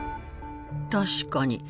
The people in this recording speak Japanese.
確かに。